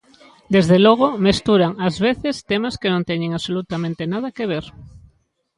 Desde logo mesturan ás veces temas que non teñen absolutamente nada que ver.